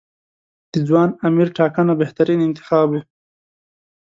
د ځوان امیر ټاکنه بهترین انتخاب و.